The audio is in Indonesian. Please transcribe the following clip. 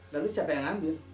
lalu siapa yang ambil